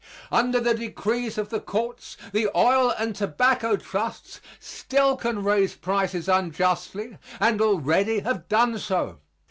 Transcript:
Under the decrees of the courts the Oil and Tobacco Trusts still can raise prices unjustly and already have done so.